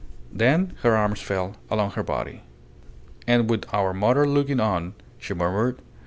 Then her arms fell along her body. "And with our mother looking on," she murmured.